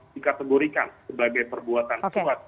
dikategorikan sebagai perbuatan suat